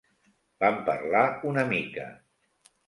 Vam parlar una mica.